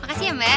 makasih ya mbak